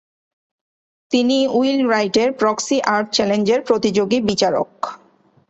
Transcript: তিনি উইল রাইটের proxy art চ্যালেঞ্জের প্রতিযোগী বিচারক।